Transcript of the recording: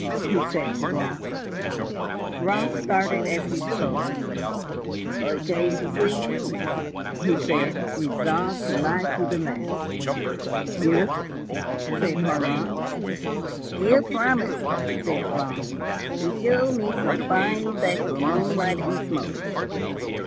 he said to Raut. Raut started as he spoke. "I came to see you," he said, resolved to lie to the last. "Yes," said Horrocks. "You promised," said Raut, "to show me some fine effects of moonlight and smoke."